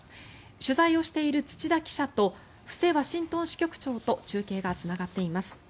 取材をしている土田記者と布施ワシントン支局長と中継がつながっています。